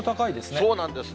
そうなんですね。